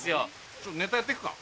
ちょっとネタやってくか？